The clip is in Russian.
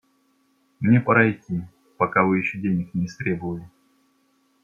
Мне пора идти, пока вы еще денег не истребовали.